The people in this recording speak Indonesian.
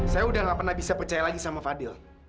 saya udah gak pernah bisa percaya lagi sama fadil